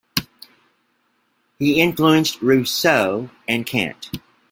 He influenced Rousseau and Kant.